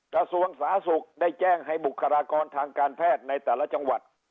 กระทรวงสาธารณสุขได้แจ้งให้บุคลากรทางการแพทย์ในแต่ละจังหวัด